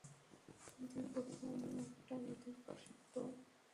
কিন্তু প্রথম মতটাই অধিক প্রসিদ্ধ।